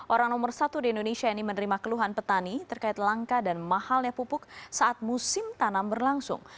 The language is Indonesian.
orang nomor satu di indonesia ini menerima keluhan petani terkait langka dan mahalnya pupuk saat musim tanam berlangsung